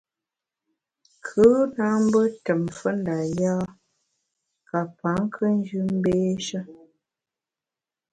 Kù na mbe tùm mfe nda yâ ka pa nkùnjù mbééshe.